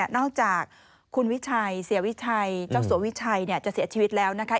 นอกจากคุณวิชัยเสียวิชัยเจ้าสัววิชัยจะเสียชีวิตแล้วนะคะ